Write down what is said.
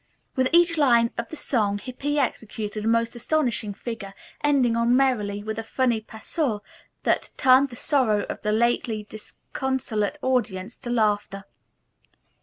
With each line of the song Hippy executed a most astonishing figure, ending on "merrily" with a funny pas seul that turned the sorrow of the lately disconsolate audience to laughter.